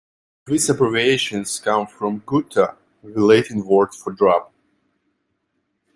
These abbreviations come from "gutta", the Latin word for drop.